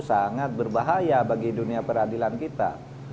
sangat berbahaya bagi dunia peradilan kita